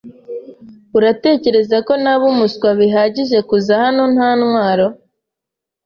Uratekereza ko naba umuswa bihagije kuza hano nta ntwaro?